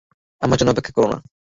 আমার জন্য অপেক্ষা করো না!